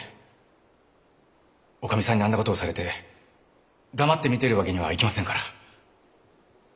おかみさんにあんなことをされて黙って見ているわけにはいきませんから。